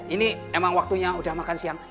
ini emang waktunya udah makan siang